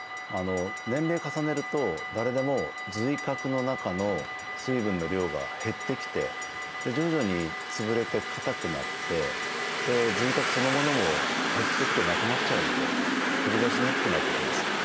年齢重ねると誰でも髄核の中の水分の量が減ってきて徐々に潰れてかたくなって髄核そのものも減ってきてなくなっちゃうので飛び出しにくくなってきます。